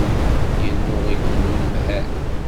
Yennuɣ-iken unemhal.